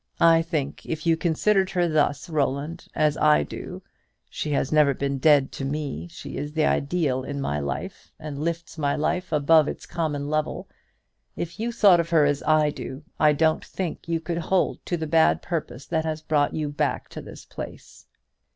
I think, if you considered her thus, Roland, as I do, she has never been dead to me; she is the ideal in my life, and lifts my life above its common level, if you thought of her as I do, I don't think you could hold to the bad purpose that has brought you back to this place."